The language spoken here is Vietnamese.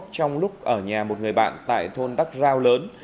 trong lúc ở nhà một người bạn tại thôn đắc rau lớn